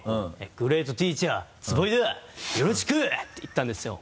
「グレートティーチャー坪井だよろしく！」って言ったんですよ。